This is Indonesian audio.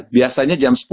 biasanya jam sepuluh